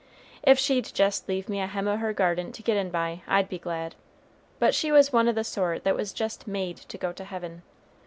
If she'd jest leave me a hem o' her garment to get in by, I'd be glad; but she was one o' the sort that was jest made to go to heaven.